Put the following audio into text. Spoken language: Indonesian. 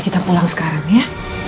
kita pulang sekarang ya